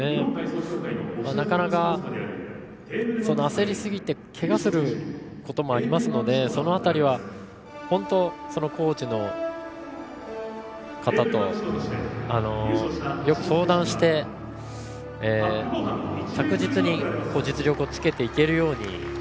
なかなか焦りすぎてけがをすることもあるのでその辺りはコーチの方とよく相談して着実に実力をつけていけるように。